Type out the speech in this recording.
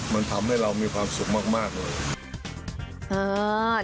มันทำให้เรามีความสุขมากเลย